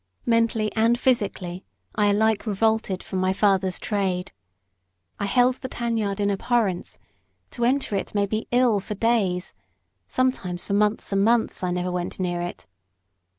Mentally and physically I alike revolted from my father's trade. I held the tan yard in abhorrence to enter it made me ill for days; sometimes for months and months I never went near it.